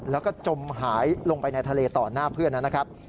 แล้วก็จมหายลงไปในทะเลต่อหน้าเพื่อนนะครับ